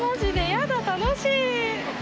やだ楽しい。